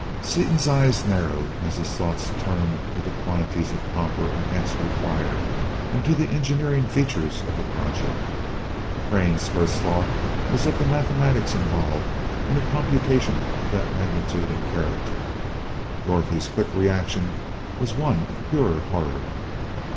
Seaton's eyes narrowed as his thoughts turned to the quantities of copper and "X" required and to the engineering features of the project; Crane's first thought was of the mathematics involved in a computation of that magnitude and character; Dorothy's quick reaction was one of pure horror.